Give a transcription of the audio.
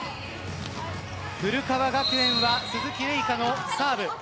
古川学園は鈴木玲香のサーブ。